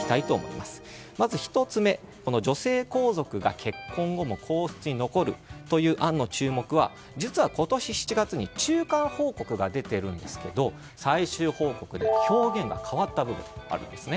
まず１つ目、女性皇族が結婚後も皇室に残るという案の注目は実は今年７月に中間報告が出ていますが最終報告で表現が変わった文があります。